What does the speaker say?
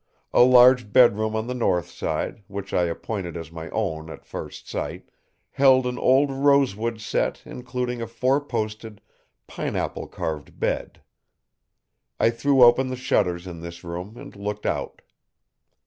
A large bedroom on the north side, which I appointed as my own at first sight, held an old rosewood set including a four posted, pineapple carved bed. I threw open the shutters in this room and looked out.